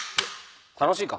楽しいか？